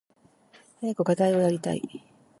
早く課題をやりたい。